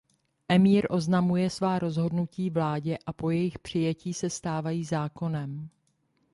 Emír oznamuje svá rozhodnutí vládě a po jejich přijetí se stávají zákonem.